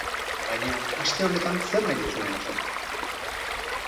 Baina, aste honetan zer nahi duzue entzun?